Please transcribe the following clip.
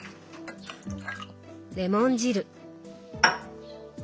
レモン汁。